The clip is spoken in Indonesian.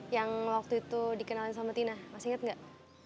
yang waktu itu dikenalin sama tina masih inget gak